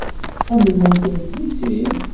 Ḥemmlent-ten deg sin.